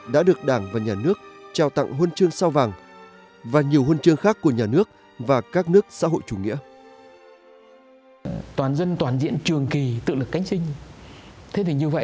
đã được đảng và nhà nước trao tặng huân chương sao vàng và nhiều huân chương khác của nhà nước và các nước xã hội chủ nghĩa